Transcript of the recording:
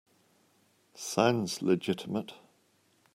Sounds legitimate.